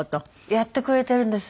やってくれてるんです。